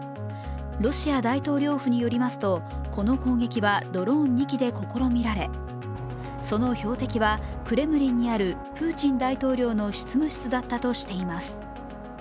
ロシア大統領府によりますとこの攻撃はドローン２機で試みられ、その標的はプーチン大統領の執務室だったとしています。